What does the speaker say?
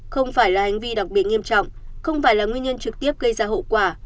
không phải là hành vi đặc biệt nghiêm trọng không phải là nguyên nhân trực tiếp gây ra hậu quả